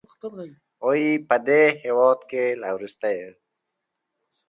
وايي، په دې هېواد کې له وروستیو